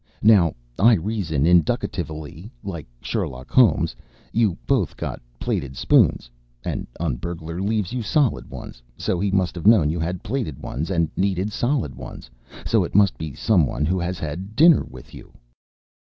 Now, I reason induc i tively, like Sherlock Holmes. You both got plated spoons. An un burglar leaves you solid ones. So he must have known you had plated ones and needed solid ones. So it must be some one who has had dinner with you."